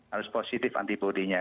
harus positif antibody nya